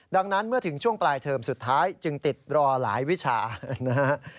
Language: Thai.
ดังนั้นเมื่อถึงช่วงปลายเทอมสุดท้ายจึงติดรอหลายวิชานะฮะ